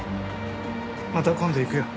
また今度行くよ。